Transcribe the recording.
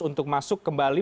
untuk masuk kembali